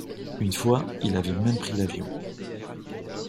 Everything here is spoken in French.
Une fois, il avait même pris l’avion.